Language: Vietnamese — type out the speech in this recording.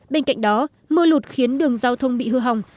bên cạnh đó mưa lụt khiến đường giao thông bị hư hỏng